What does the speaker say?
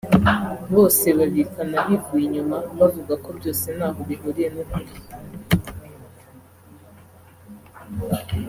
bose babikana bivuye inyuma bavuga ko byose ntaho bihuriye n’ukuri